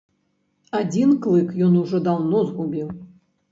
Адзін клык ён ужо даўно згубіў.